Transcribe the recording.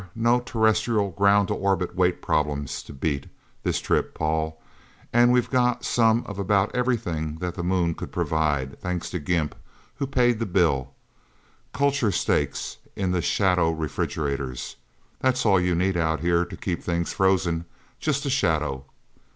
No terrestrial ground to orbit weight problem to beat, this trip, Paul. And we've got some of about everything that the Moon could provide, thanks to Gimp, who paid the bill. Culture steak in the shadow refrigerators. That's all you need, Out Here, to keep things frozen just a shadow...